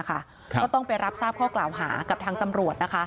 ก็ต้องไปรับทราบข้อกล่าวหากับทางตำรวจ